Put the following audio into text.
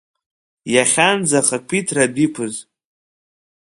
Иахьанӡа хақәиҭрала адәы иқәыз.